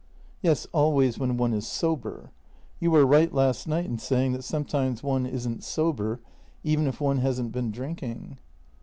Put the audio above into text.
" Yes, always when one is sober. You were right last night in saying that sometimes one isn't sober even if one hasn't been drinking."